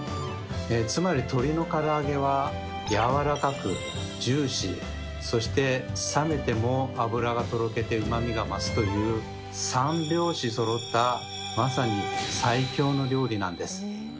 つまり鶏のから揚げはやわらかくジューシーそして冷めても脂がとろけてうまみが増すという三拍子そろったまさに最強の料理なんです。